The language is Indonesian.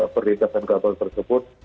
perlintasan kapal tersebut